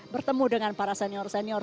bertemu dengan para senior senior